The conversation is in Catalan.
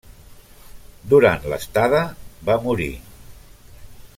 Durant l'estada va morir.